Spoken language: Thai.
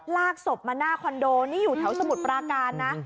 ลากศพมาหน้าคอนโดนี่อยู่แถวสมุทรปราการนะ